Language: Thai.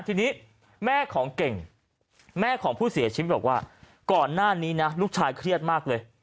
ทีนี้แม่ของเก่งแม่ของผู้เสียชีวิตบอกว่าก่อนหน้านี้นะลูกชายเครียดมากเลย